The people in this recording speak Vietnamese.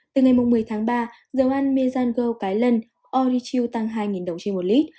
từ ngày một mươi tháng ba dầu ăn mezzango cái lân orichil tăng hai đồng trên một lít